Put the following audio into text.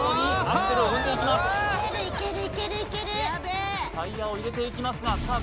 あっタイヤを入れていきますがさあ